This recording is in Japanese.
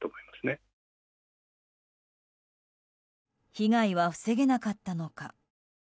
被害は防げなかったのか。